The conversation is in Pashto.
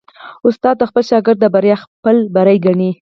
استاد د خپل شاګرد بریا خپل بری ګڼي.